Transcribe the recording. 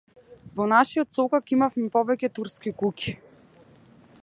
Во нашиот сокак имавме повеќе турски куќи.